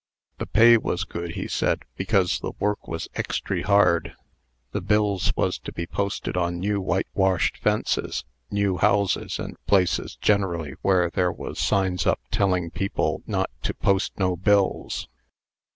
The pay was good, he said, because the work was extry hard. The bills was to be posted on new whitewashed fences, new houses, and places generally where there was signs up telling people not to 'post no bills.'"